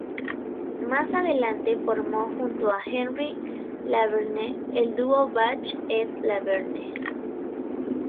Más adelante formó junto a Henry-Laverne el dúo Bach et Laverne.